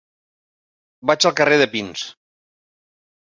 Vaig al carrer de Pins.